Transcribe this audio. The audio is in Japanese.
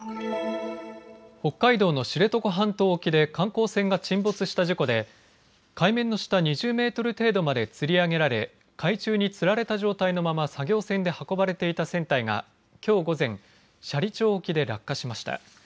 北海道の知床半島沖で観光船が沈没した事故で海面の下２０メートル程度までつり上げられ海中につられた状態のまま作業船で運ばれていた船体がきょう午前、斜里町沖で落下しました。